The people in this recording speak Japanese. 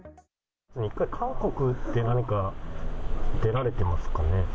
韓国で何か出られてますかね？